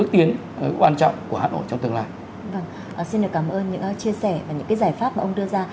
xin được cảm ơn những chia sẻ và những cái giải pháp mà ông đưa ra